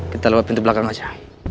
kita lewat pintu belakang saja